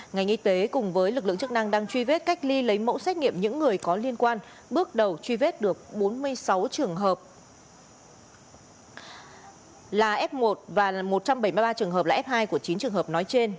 ngành y tế cùng với lực lượng chức năng đang truy vết cách ly lấy mẫu xét nghiệm những người có liên quan bước đầu truy vết được bốn mươi sáu trường hợp là f một và một trăm bảy mươi ba trường hợp là f hai của chín trường hợp nói trên